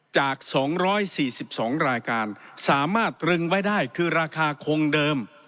จากสองร้อยสี่สิบสองรายการสามารถตรึงไว้ได้คือราคาคงเดิม